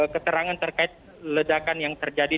keterangan terkait ledakan yang terjadi